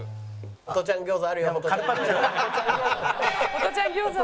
「ホトちゃん餃子！」